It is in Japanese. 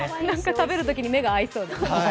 食べるときに目が合いそうですね。